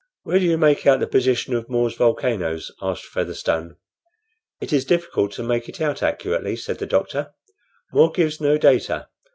"Where do you make out the position of More's volcanoes?" asked Featherstone. "It is difficult to make it out accurately," said the doctor. "More gives no data.